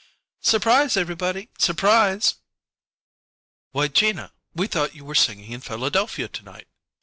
"Surprise everybody surprise!" "Why, Gina we read we thought you were singing in Philadelphia to night!"